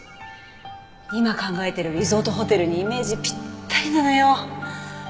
今考えてるリゾートホテルにイメージぴったりなのよ。